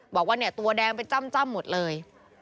บอกว่าเนี่ยตัวแดงเป็นจ้ำหมดเลย